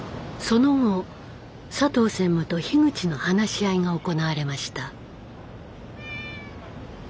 その後佐藤専務と樋口の話し合いが行われました。